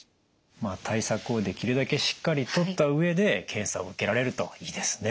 まあ対策をできるだけしっかりとった上で検査を受けられるといいですね。